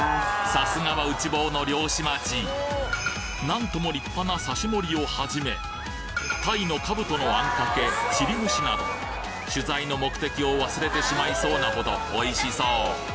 さすがは内房の漁師町なんとも立派な刺し盛りをはじめ鯛のかぶとのあんかけちり蒸しなど取材の目的を忘れてしまいそうなほどおいしそう。